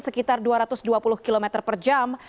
sekitar dua ratus dua puluh km per jam